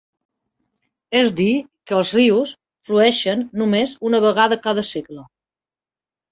Es di que els rius flueixen només una vegada cada segle.